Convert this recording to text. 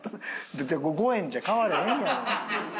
５円じゃ買われへんやろ。